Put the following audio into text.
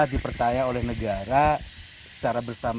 bisa dipercaya oleh negara secara bersama sama